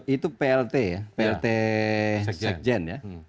itu plt ya plt sekjen ya